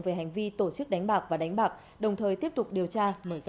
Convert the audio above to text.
về hành vi tổ chức đánh bạc và đánh bạc đồng thời tiếp tục điều tra